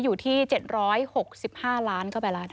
อยู่ที่๗๖๕ล้านบาทก็ไปแล้ว